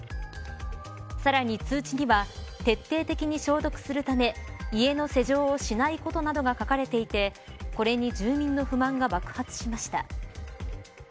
さらに通知には徹底的に消毒するため家の施錠をしないことなどが書かれていてこれに住民の不満が爆発しました。